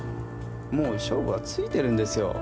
もう勝負はついてるんですよ。